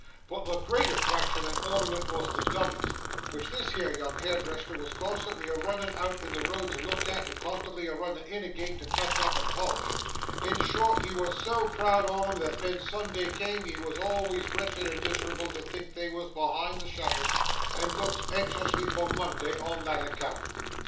But the great attraction and ornament wos the dummies, which this here young hairdresser wos constantly a runnin' out in the road to look at, and constantly a runnin' in again to touch up and polish; in short, he wos so proud on 'em, that ven Sunday come, he wos always wretched and mis'rable to think they wos behind the shutters, and looked anxiously for Monday on that account.